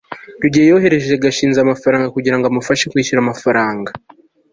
rugeyo yohereje gashinzi amafaranga kugira ngo amufashe kwishyura amafaranga